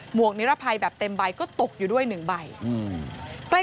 หมวกนิรภัยแบบเต็มใบก็ตกอยู่ด้วย๑ใบ